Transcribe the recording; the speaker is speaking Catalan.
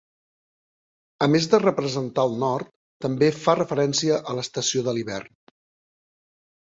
A més de representar el nord també fa referència a l'estació de l'hivern.